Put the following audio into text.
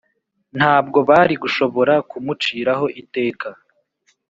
Ntabwo bari gushobora kumuciraho iteka